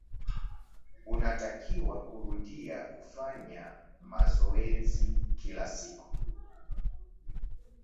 Unatakiwa kurudia kufanya mazoezi kila siku.